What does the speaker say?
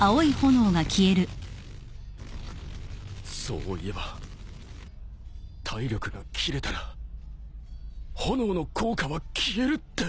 そういえば体力が切れたら炎の効果は消えるって。